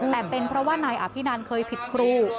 แต่เป็นเพราะว่านายอภินันเคยผิดครู